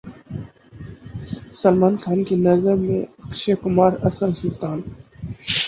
سلمان خان کی نظر میں اکشے کمار اصل سلطان